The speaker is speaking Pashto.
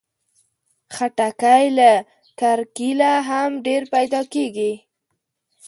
خټکی له کرکيله هم ډېر پیدا کېږي.